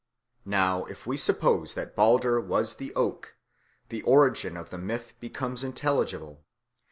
Now, if we suppose that Balder was the oak, the origin of the myth becomes intelligible.